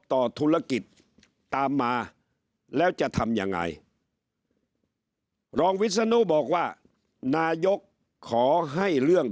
ต่อธุรกิจตามมาแล้วจะทำยังไงรองวิศนุบอกว่านายกขอให้เรื่อง